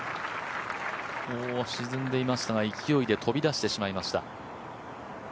沈んでいましたが勢いで飛び出してしまいました。